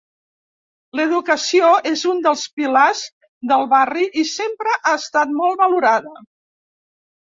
L'educació és un dels pilars del barri i sempre ha estat molt valorada.